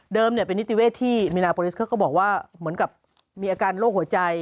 เป็นนิติเวศที่มีนาโปรลิสเขาก็บอกว่าเหมือนกับมีอาการโรคหัวใจ